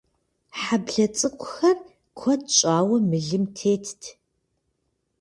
Хьэблэ цӀыкӀухэр куэд щӀауэ мылым тетт.